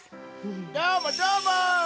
どーも、どーも！